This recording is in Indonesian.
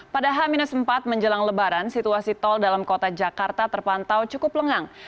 pada h empat menjelang lebaran situasi tol dalam kota jakarta terpantau cukup lengang